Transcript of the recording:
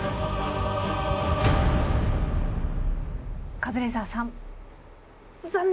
カズレーザーさん残念！